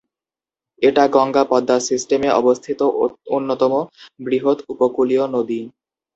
এটা গঙ্গা-পদ্মা সিস্টেমে অবস্থিত অন্যতম বৃহৎ উপকূলীয় নদী।